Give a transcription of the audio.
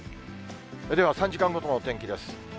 では、３時間ごとのお天気です。